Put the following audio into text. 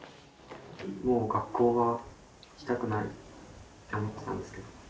もう学校は行きたくないって思ってたんですけど。